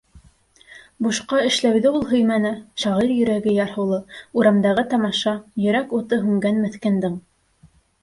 Бушҡа эшләүҙе ул һөймәне, Шағир йөрәге ярһыулы, Урамдағы тамаша: Йөрәк уты һүнгән меҫкендең.